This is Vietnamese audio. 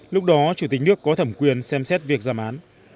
lúc đó chủ tịch nước có thẩm quyền xem xét việc giảm án